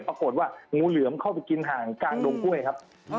ปรากฏว่างูเหลือมเข้าไปกินห่างกลางดงกล้วยครับ